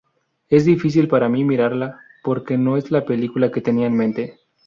Es difícil para mí mirarla, porque no es la película que tenía en mente".